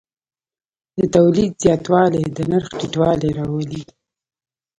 د تولید زیاتوالی د نرخ ټیټوالی راولي.